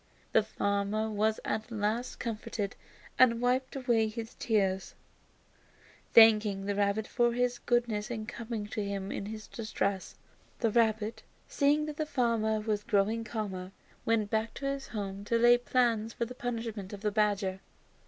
The farmer was at last comforted, and, wiping away his tears, thanked the rabbit for his goodness in coming to him in his distress. The rabbit, seeing that the farmer was growing calmer, went back to his home to lay his plans for the punishment of the badger.